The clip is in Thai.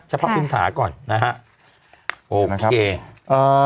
เฉพาะพิมพ์ถาก่อนนะฮะโอเค